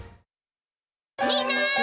みんな！